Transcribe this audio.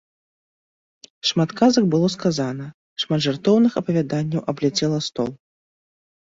Шмат казак было сказана, шмат жартоўных апавяданняў абляцела стол.